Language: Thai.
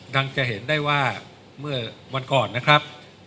ดังจะเห็นได้ว่าวันก่อนนะครับ